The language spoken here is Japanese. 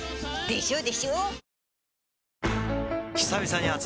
でしょー！